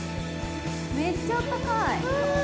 めっちゃあったかい